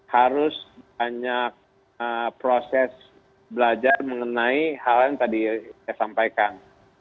harus banyak proses belajar mengenai hal yang tadi saya sampaikan